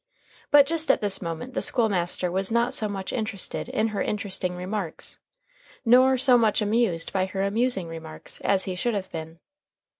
But just at this moment the school master was not so much interested in her interesting remarks, nor so much amused by her amusing remarks, as he should have been.